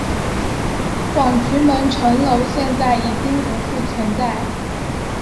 广渠门城楼现在已经不复存在。